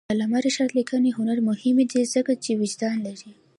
د علامه رشاد لیکنی هنر مهم دی ځکه چې وجدان لري.